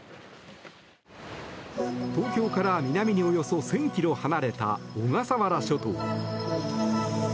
東京から南におよそ１０００ｋｍ離れた小笠原諸島。